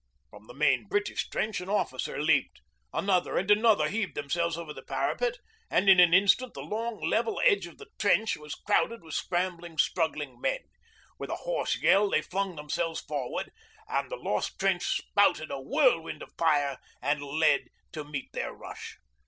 From the main British trench an officer leaped, another and another heaved themselves over the parapet, and in an instant the long, level edge of the trench was crowded with scrambling, struggling men. With a hoarse yell they flung themselves forward, and the lost trench spouted a whirlwind of fire and lead to meet their rush.